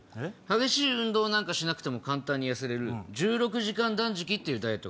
激しい運動なんかしなくても簡単に痩せれる１６時間断食っていうダイエット。